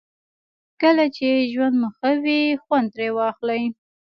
کله چې ژوند مو ښه وي خوند ترې واخلئ.